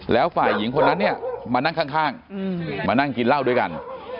แล้วฝ่ายหญิงคนนั้นเนี่ยมานั่งข้างมานั่งกินเหล้าด้วยกัน